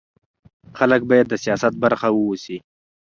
خلک باید د سیاست برخه واوسي